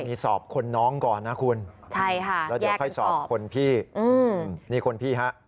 มีสอบคนน้องก่อนนะคุณใช่ค่ะแล้วเดี๋ยวค่อยสอบคนพี่นี่คนพี่ฮะ